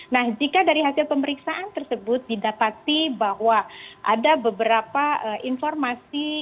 nah jika dari hasil pemeriksaan tersebut didapati bahwa ada beberapa informasi